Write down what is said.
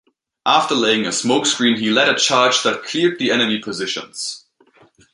After laying a smokescreen he led a charge that cleared the enemy positions.